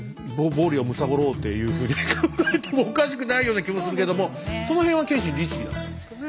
暴利をむさぼろうというふうに考えてもおかしくないような気もするけどもその辺は謙信律儀だったんでしょうね。